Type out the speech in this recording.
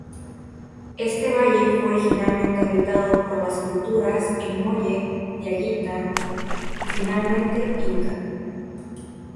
Este valle fue originalmente habitado por las culturas El Molle, Diaguita y finalmente Inca.